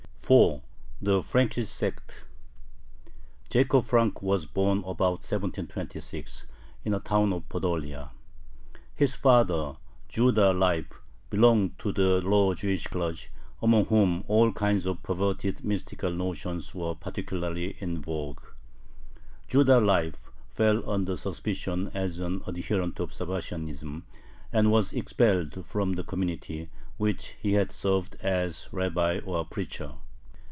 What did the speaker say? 4. THE FRANKIST SECT Jacob Frank was born about 1726 in a town of Podolia. His father Judah Leib belonged to the lower Jewish clergy, among whom all kinds of perverted mystical notions were particularly in vogue. Judah Leib fell under suspicion as an adherent of Sabbatianism, and was expelled from the community, which he had served as rabbi or preacher.